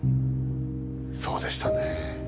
そうでしたねえ。